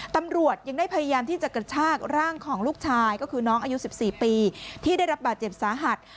ตำรวจยังได้พยายามที่จะกระชากร่างของลูกชายก็คือน้องอายุ๑๔ปีที่ได้รับบาดเจ็บสาหัส